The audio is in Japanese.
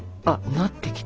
なってきた。